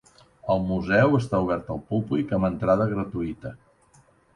El museu està obert al públic amb entrada gratuïta.